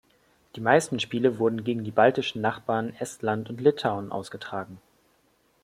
Die meisten Spiele wurden gegen die baltischen Nachbarn Estland und Litauen ausgetragen.